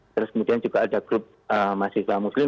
terus kemudian juga ada grup mahasiswa muslim